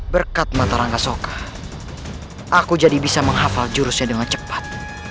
berkat mata rangga soka aku jadi bisa menghafal jurusnya dengan cepat